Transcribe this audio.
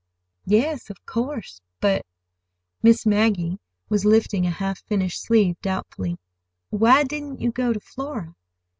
"Yes, of course, but"—Miss Maggie was lifting a half finished sleeve doubtfully—"why didn't you go to Flora?